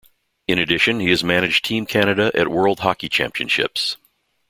In addition, he has managed Team Canada at World Hockey Championships.